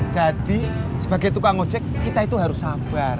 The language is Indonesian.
jadi sebagai tukang ojek kita itu harus sabar